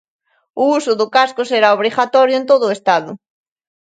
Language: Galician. O uso do casco será obrigatorio en todo o Estado.